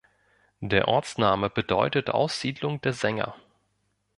Der Ortsname bedeutet Aussiedlung der Sänger.